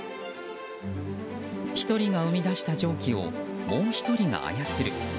１人が生み出した蒸気をもう１人が操る。